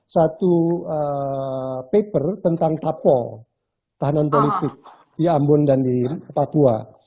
satu paper tentang tapo tahanan politik di ambon dan di papua